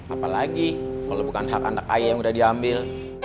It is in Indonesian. apa lagi kalau bukan hak anak kaya yang udah diambil